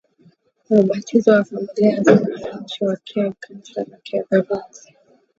na ubatizo wa familia na wananchi wa Kiev Kanisa la Kiorthodoksi